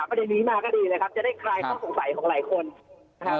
ถามประเด็นนี้มาก็ดีเลยครับจะได้คลายความสงสัยของหลายคน